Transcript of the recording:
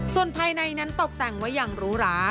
ส่วนภายในนั้นตกแต่งไว้อย่างหรูหรา